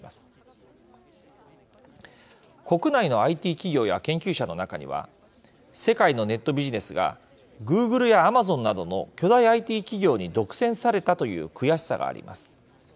国内のＩＴ企業や研究者の中には世界のネットビジネスがグーグルやアマゾンなどの巨大ＩＴ企業に独占されたという悔しさがあります。